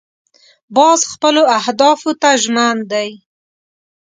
باز خپلو اهدافو ته ژمن دی